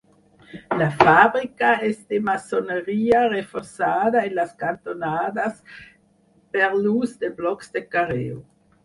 La fàbrica és de maçoneria reforçada en les cantonades per l'ús de blocs de carreu.